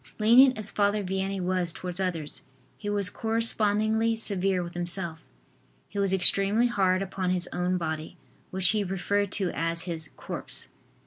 Lenient as Father Vianney was towards others, he was correspondingly severe with himself. He was extremely hard upon his own body, which he referred to as his "corpse."